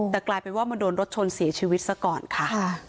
แต่กลายเป็นว่ามาโดนรถชนเสียชีวิตซะก่อนค่ะ